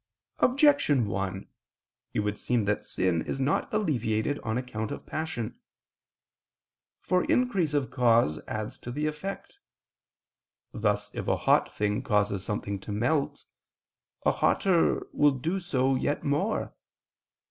Objection 1: It would seem that sin is not alleviated on account of passion. For increase of cause adds to the effect: thus if a hot thing causes something to melt, a hotter will do so yet more.